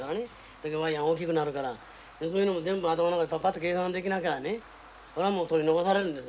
でワイヤー大きくなるからでそういうのも全部頭の中でパパッと計算できなきゃねそらもう取り残されるんです。